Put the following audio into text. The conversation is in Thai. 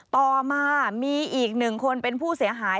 ต่อมามีอีกหนึ่งคนเป็นผู้เสียหาย